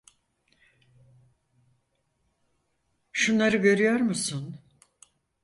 Şunları görüyor musun?